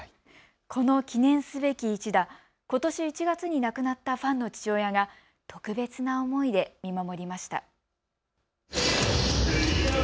この記念すべき一打、ことし１月に亡くなったファンの父親が特別な思いで見守りました。